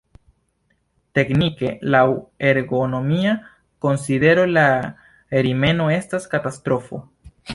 Teknike, laŭ ergonomia konsidero la rimeno estas katastrofo.